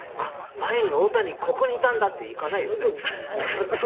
前に大谷ここにいたんだって行かないね。